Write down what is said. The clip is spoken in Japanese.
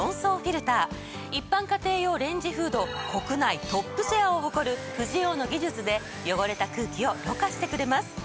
一般家庭用レンジフード国内トップシェアを誇るフジオーの技術で汚れた空気をろ過してくれます。